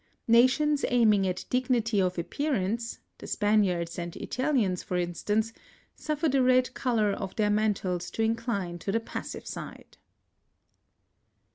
Nations aiming at dignity of appearance, the Spaniards and Italians for instance, suffer the red colour of their mantles to incline to the passive side.